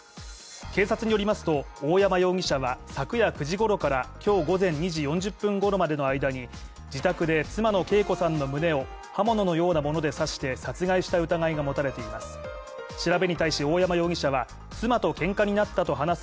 警察によりますと、大山容疑者は昨夜９時ごろから今日午前２時４０分ごろまでの間に自宅で妻の惠子さんの胸を刃物のようなもので刺して殺害した疑いが持たれています。